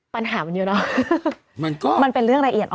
ปัญหามันเยอะเนอะมันก็มันเป็นเรื่องละเอียดอ่อน